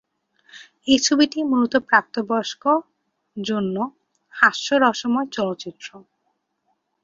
এই ছবিটি মূলত প্রাপ্তবয়স্ক জন্য হাস্যরসময় চলচ্চিত্র।